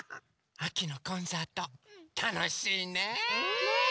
あきのコンサートたのしいね！ね！